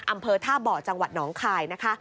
อำเภอท่าเบาะจังหวัดหนองคาย